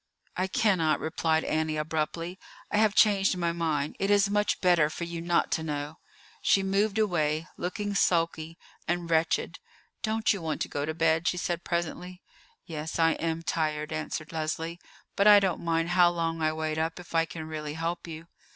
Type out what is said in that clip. "I cannot," replied Annie abruptly. "I have changed my mind. It is much better for you not to know." She moved away, looking sulky and wretched. "Don't you want to go to bed?" she said presently. "Yes, I am tired," answered Leslie; "but I don't mind how long I wait up if I can really help you."